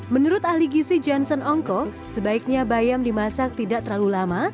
menurut ahli gizi johnson ongko sebaiknya bayam dimasak tidak terlalu lama